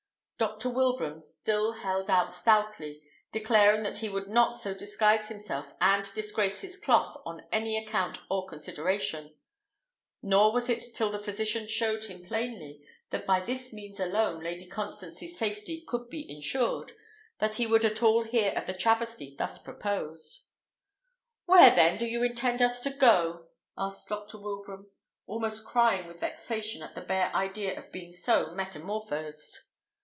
Dr. Wilbraham still held out stoutly, declaring that he would not so disguise himself and disgrace his cloth on any account or consideration; nor was it till the physician showed him plainly, that by this means alone Lady Constance's safety could be ensured, that he would at all hear of the travesty thus proposed. "Where, then, do you intend us to go?" asked Dr. Wilbraham, almost crying with vexation at the bare idea of being so metamorphosed.